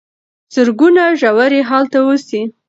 زرګونه ژوي هلته اوسي.